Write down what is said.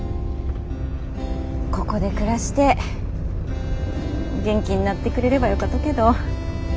ここで暮らして元気になってくれればよかとけど。